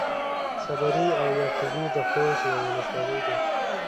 صبري او يعقوبي د خوست يوۀ ولسوالي ده.